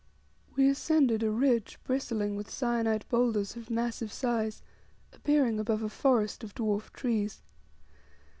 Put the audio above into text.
We ascended a ridge bristling with syenite boulders of massive size, appearing above a forest of dwarf trees.